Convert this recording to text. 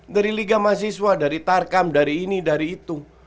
dari liga mahasiswa dari tarkam dari ini dari itu